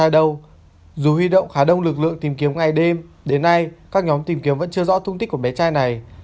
đâu dù huy động khá đông lực lượng tìm kiếm ngày đêm đến nay các nhóm tìm kiếm vẫn chưa rõ tung tích của bé trai này